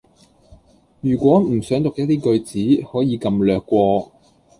如果唔想讀一啲句子，可以撳略過